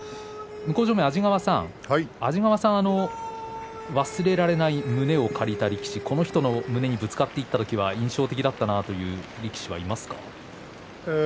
向正面の安治川さん忘れられない胸を借りた力士、この人の胸にぶつかっていった時は印象的だったなという力士はいますか。